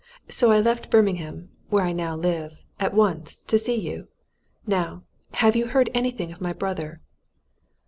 So I left Birmingham where I now live at once, to see you. Now, have you heard anything of my brother?"